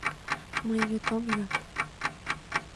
— Мый вет ом йод...